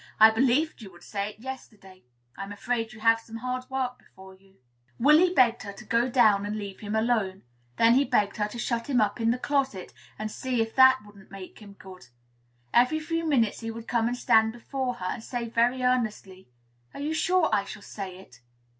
I believed you would say it yesterday. I am afraid you have some hard work before you." Willy begged her to go down and leave him alone. Then he begged her to shut him up in the closet, and "see if that wouldn't make him good." Every few minutes he would come and stand before her, and say very earnestly, "Are you sure I shall say it?"